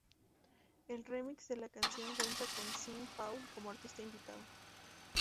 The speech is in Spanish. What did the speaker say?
El remix de la canción cuenta con Sean Paul como artista invitado.